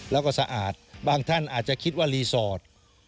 แล้วก็สะอาดบางท่านอาจจะคิดว่ารีสอร์ท